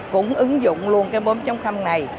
cũng ứng dụng luôn cái bốn này